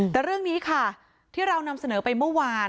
แต่เรื่องนี้ค่ะที่เรานำเสนอไปเมื่อวาน